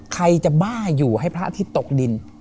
ใครจะบ้าอยู่ให้พระอาทิตย์ตกดิน